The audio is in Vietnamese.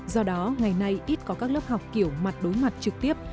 do đó ngày nay ít có các lớp học kiểu mặt đối mặt trực tiếp